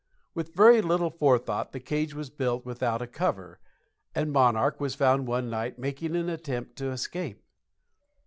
With very little forethought the cage was built without a cover, and "Monarch" was found one night making an attempt to escape.